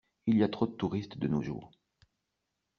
Il y a trop de touristes de nos jours.